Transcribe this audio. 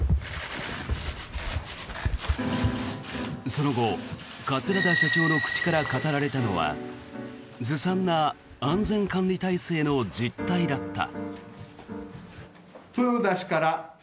その後桂田社長の口から語られたのはずさんな安全管理体制の実態だった。